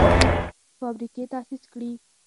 فابریکې تاسیس کړي.